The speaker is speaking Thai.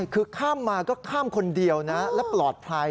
คือข้ามมาก็ข้ามคนเดียวนะและปลอดภัย